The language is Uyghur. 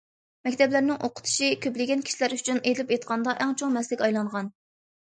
مەكتەپلەرنىڭ ئوقۇتۇشى كۆپلىگەن كىشىلەر ئۈچۈن ئېلىپ ئېيتقاندا ئەڭ چوڭ مەسىلىگە ئايلانغان.